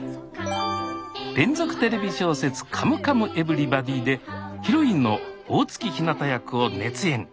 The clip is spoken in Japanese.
連続テレビ小説「カムカムエヴリバディ」でヒロインの大月ひなた役を熱演。